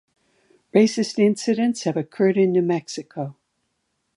Racist incidents have occurred in New Mexico.